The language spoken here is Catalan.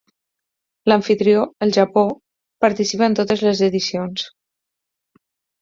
L'amfitrió, el Japó, participa en totes les edicions.